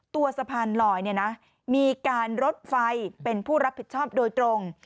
ตัวสะพานลอยมีการรถไฟเป็นผู้รับผิดชอบโดยตรง